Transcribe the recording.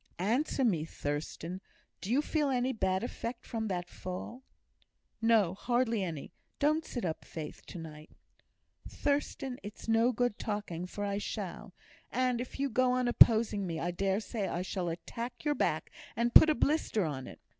"Answer me, Thurstan. Do you feel any bad effect from that fall?" "No, hardly any. Don't sit up, Faith, to night!" "Thurstan, it's no use talking, for I shall; and, if you go on opposing me, I dare say I shall attack your back, and put a blister on it.